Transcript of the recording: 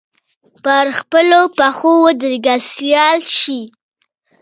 پر خپلو پښو ودرېږي سیال شي